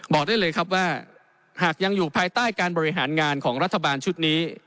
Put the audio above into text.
บอกได้เลยครับว่าหากยังอยู่ภายใต้การบริหารงานของรัฐบาลชุดนี้